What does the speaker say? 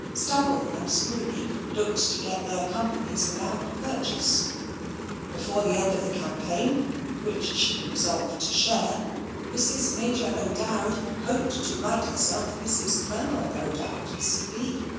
Stubble and Spooney looked to get their companies without purchase. Before the end of the campaign (which she resolved to share), Mrs. Major O'Dowd hoped to write herself Mrs. Colonel O'Dowd, C.